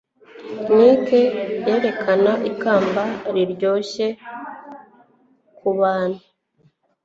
Nike yerekana ikamba riryoshye kubantu